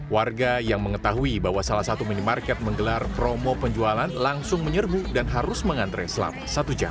warga yang mengetahui bahwa salah satu minimarket menggelar promo penjualan langsung menyerbu dan harus mengantre selama satu jam